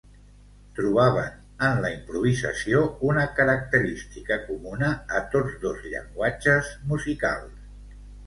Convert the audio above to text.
Trobaven en la improvisació una característica comuna a tots dos llenguatges musicals.